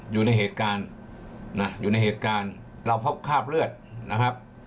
อยู่ในเหตุการณ์นะอยู่ในเหตุการณ์เราพบคราบเลือดนะครับ